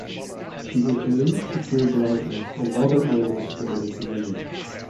She is believed to cure blindness and other ailments related to vision.